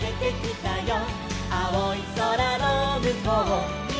「あおいそらのむこうには」